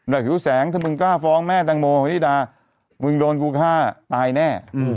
แบบหิวแสงถ้ามึงกล้าฟ้องแม่ตังโมนี่ด่ามึงโดนกูฆ่าตายแน่อืม